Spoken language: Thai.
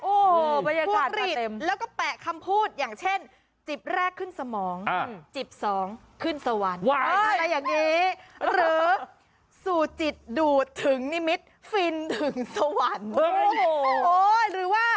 โอ้โหบรรยากาศมาเต็มพุ่งหลีดแล้วก็แปะคำพูดอย่างเช่น